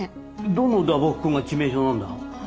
どの打撲痕が致命傷なんだ？